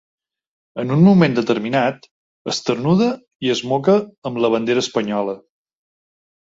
En un moment determinat, esternuda i es moca amb la bandera espanyola.